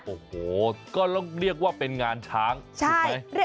โอ้โหก็ต้องเรียกว่าเป็นงานช้างถูกไหม